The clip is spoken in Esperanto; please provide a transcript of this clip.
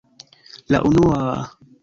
La unua...